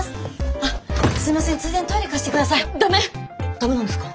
ダメなんですか？